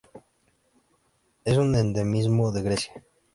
Es un endemismo de Grecia.